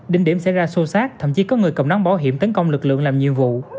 đến điểm xảy ra sô sát thậm chí có người cầm nón bảo hiểm tấn công lực lượng làm nhiệm vụ